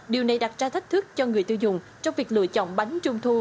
điều này đặt ra thách thức cho người tiêu dùng trong việc lựa chọn bánh trung thu